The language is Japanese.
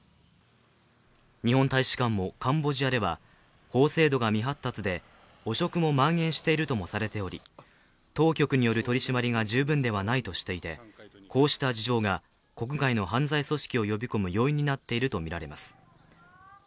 日本大使館も、カンボジアでは法制度が未発達で汚職もまん延しているともされており、当局による取り締まりが十分ではないとしていて、こうした事情が国外の犯罪組織を呼び込む要因になっているとみられます。